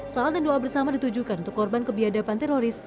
salat dan doa bersama ditujukan untuk korban kebiadaban teroris